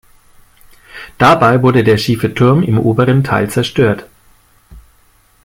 Dabei wurde der schiefe Turm im oberen Teil zerstört.